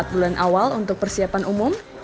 empat bulan awal untuk persiapan umum